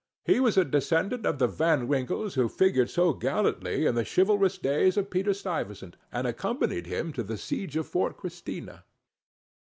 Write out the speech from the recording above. He was a descendant of the Van Winkles who figured so gallantly in the chivalrous days of Peter Stuyvesant, and accompanied him to the siege of Fort Christina.